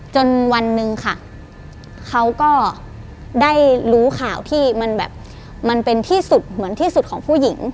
จนวันหนึ่งค่ะเขาก็ได้รู้ข่าวที่มันแบบมันเป็นที่สุดเหมือนที่สุดของผู้หญิง